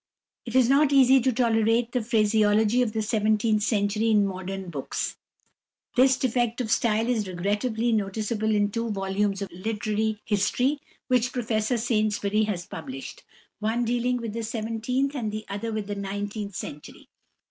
It is not easy to tolerate the phraseology of the seventeenth century in modern books. This defect of style is regrettably noticeable in two volumes of literary history which Professor Saintsbury has published, one dealing with the seventeenth and the other with the nineteenth century.